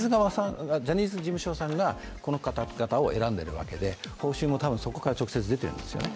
ジャニーズ事務所さんがこの方々を選んでいるわけで報酬もたぶんそこから直接出てるんですよね。